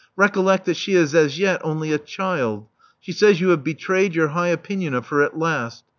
Recollect that she is as yet only a child. She says you have betrayed your um! v^pinion of her at last.